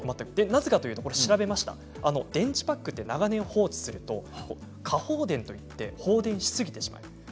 なぜかというと、調べましたら電池パックは長年放置すると過放電といって放電しすぎてしまう。